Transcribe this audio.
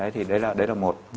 thì đấy là một